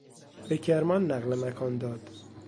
به کرمان نقل مکان داد.